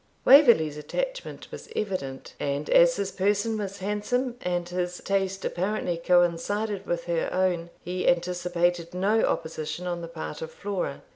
Waverley's attachment was evident; and as his person was handsome, and his taste apparently coincided with her own, he anticipated no opposition on the part of Flora.